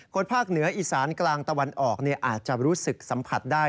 ภาคเหนืออีสานกลางตะวันออกอาจจะรู้สึกสัมผัสได้